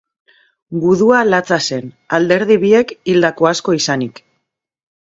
Gudua latza zen, alderdi biek hildako asko izanik.